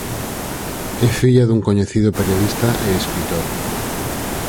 É filla dun coñecido periodista e escritor.